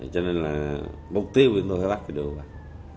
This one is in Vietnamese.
cho nên là mục tiêu thì tôi phải bắt được